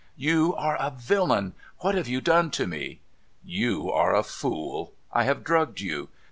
' You are a villain. What have you done to me ?'' You are a fool. I have drugged you.